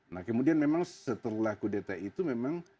nah kemudian memang setelah kudeta itu memang